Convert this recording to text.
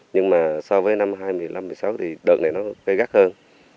nhưng mà so với năm hai nghìn một mươi năm hai nghìn một mươi sáu thì đợt này nó gây gắt hơn